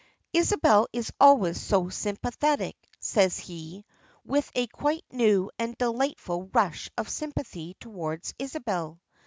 "Isabel is always so sympathetic," says he, with a quite new and delightful rush of sympathy toward Isabel.